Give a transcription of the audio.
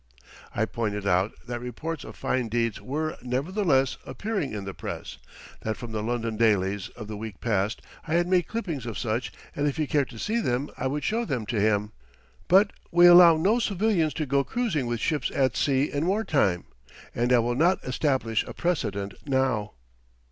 I pointed out that reports of fine deeds were, nevertheless, appearing in the press; that from the London dailies of the week past I had made clippings of such, and if he cared to see them I would show them to him. "But we allow no civilians to go cruising with ships at sea in war time. And I will not establish a precedent now."